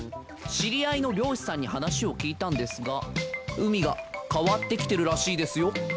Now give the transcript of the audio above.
知り合いの漁師さんに話を聞いたんですが海が変わってきてるらしいですよ。